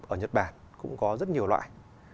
ở nhật bản cũng có rất nhiều loại